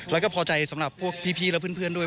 แล้วก็พอใจสำหรับพวกพี่และเพื่อนด้วย